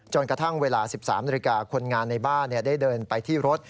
กระทั่งเวลา๑๓นาฬิกาคนงานในบ้านได้เดินไปที่รถ